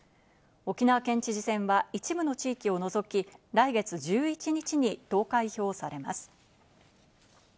沖縄県知事選は一部の地域を除き、来月１１日に投開票されます。